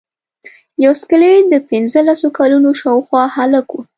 یو سکلیټ د پنځلسو کلونو شاوخوا هلک و.